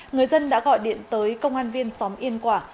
người dân đã gọi điện tới công an viên xóm yên quả